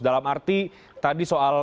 dalam arti tadi soal